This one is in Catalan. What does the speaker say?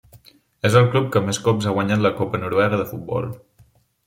És el club que més cops ha guanyat la Copa noruega de futbol.